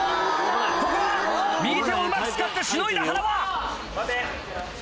ここは右手をうまく使ってしのいだ塙。